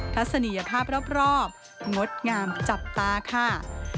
ทัศนียภาพรอบงดงามจับตาค่ะ